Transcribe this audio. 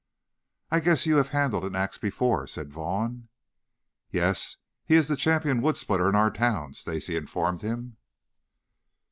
"I guess you have handled an axe before," said Vaughn. "Yes. He is the champion wood splitter of our town," Stacy informed him.